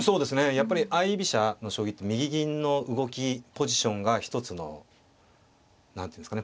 やっぱり相居飛車の将棋って右銀の動きポジションが一つの何て言うんですかね